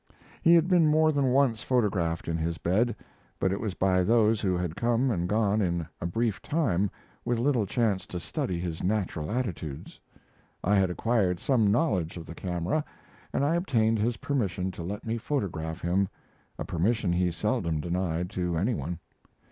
He had been more than once photographed in his bed; but it was by those who had come and gone in a brief time, with little chance to study his natural attitudes. I had acquired some knowledge of the camera, and I obtained his permission to let me photograph him a permission he seldom denied to any one.